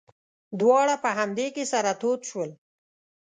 دواړه په همدې کې سره تود شول.